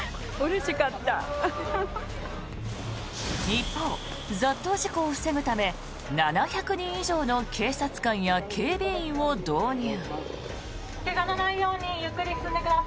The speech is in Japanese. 一方、雑踏事故を防ぐため７００人以上の警察官や警備員を導入。